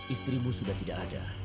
istrimu sudah tidak ada